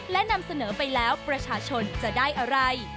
และนำเสนอไปแล้วประชาชนจะได้อะไร